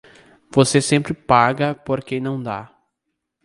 Você sempre paga por quem não dá.